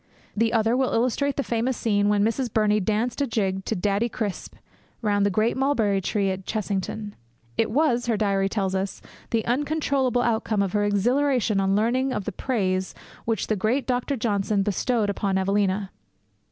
The other will illustrate the famous scene when Miss Burney danced a jig to Daddy Crisp round the great mulberry tree at Chessington. It was, her diary tells us, the uncontrollable outcome of her exhilaration on learning of the praise which the great Dr. Johnson bestowed on Evelina.